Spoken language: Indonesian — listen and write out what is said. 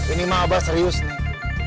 ini mah abah serius nih